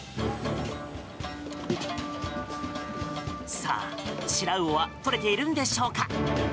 さあ、シラウオは取れているのでしょうか？